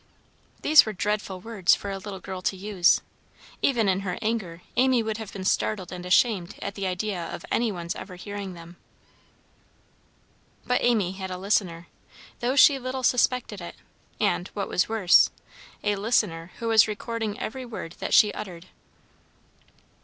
These were dreadful words for a little girl to use. Even in her anger, Amy would have been startled and ashamed at the idea of any one's ever hearing them. But Amy had a listener, though she little suspected it, and, what was worse, a listener who was recording every word that she uttered!